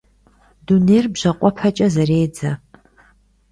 Дунейр бжьакъуэпэкӀэ зэредзэ.